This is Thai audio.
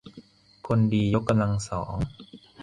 คนดียกกำลังสอง